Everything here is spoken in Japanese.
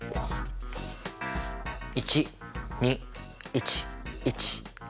１２１１１。